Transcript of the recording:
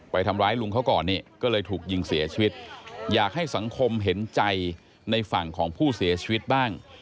ทำร้ายลุงเขาก่อนนี่ก็เลยถูกยิงเสียชีวิตอยากให้สังคมเห็นใจในฝั่งของผู้เสียชีวิตบ้าง